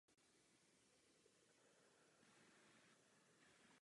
Mlýn je přístupný veřejnosti.